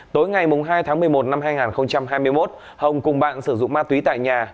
tối ngày hai tháng một mươi một năm hai nghìn hai mươi một hồng cùng bạn sử dụng ma túy tại nhà